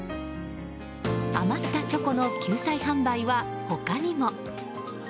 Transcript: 余ったチョコの救済販売は他にも。